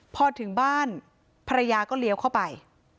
พอถึงบ้านภรรยาก็เลี้ยวเข้าไป